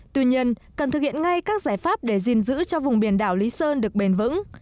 tuy nhiên cần thực hiện ngay các giải pháp để gìn giữ cho vùng biển đảo lý sơn được bền vững